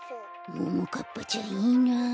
ももかっぱちゃんいいな。